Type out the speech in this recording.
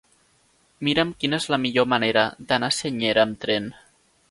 Mira'm quina és la millor manera d'anar a Senyera amb tren.